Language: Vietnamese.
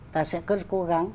ta sẽ cố gắng